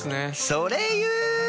それ言う！？